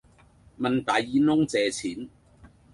問大耳窿借錢